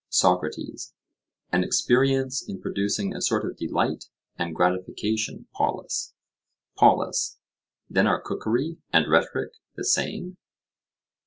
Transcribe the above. SOCRATES: An experience in producing a sort of delight and gratification, Polus. POLUS: Then are cookery and rhetoric the same?